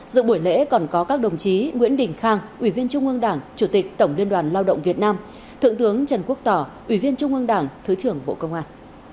dự buổi lễ còn có các đồng chí nguyễn đình khang ủy viên trung ương đảng chủ tịch tổng liên đoàn lao động việt nam thượng tướng trần quốc tỏ ủy viên trung ương đảng thứ trưởng bộ công an